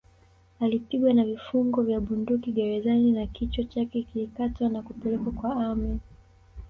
Alipigwa na vifungo vya bunduki gerezani na kichwa chake kilikatwa na kupelekwa kwa Amin